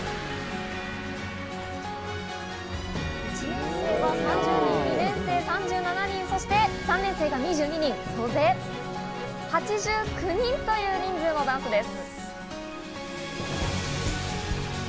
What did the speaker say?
１年生３０人、２年生３７人、３年生２２人、総勢８９人という人数のダンスです！